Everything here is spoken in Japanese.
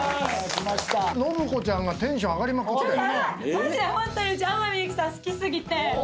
マジでホントにうち天海祐希さん好き過ぎて。